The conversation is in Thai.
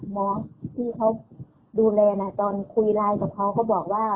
มอตอนคุยไลน์กับเขาก็บอกว่า